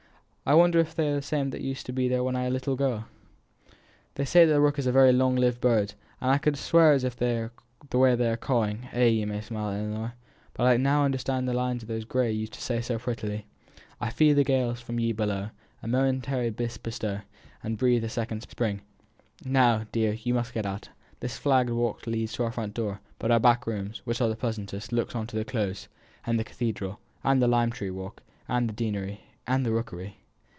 I wonder if they are the same that used to be there when I was a girl. They say the rook is a very long lived bird, and I feel as if I could swear to the way they are cawing. Ay, you may smile, Ellinor, but I understand now those lines of Gray's you used to say so prettily "I feel the gales that from ye blow. A momentary bliss bestow, And breathe a second spring." Now, dear, you must get out. This flagged walk leads to our front door; but our back rooms, which are the pleasantest, look on to the Close, and the cathedral, and the lime tree walk, and the deanery, and the rookery."